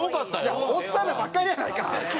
いやおっさんらばっかりやないか今日。